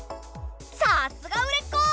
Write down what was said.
さすが売れっ子！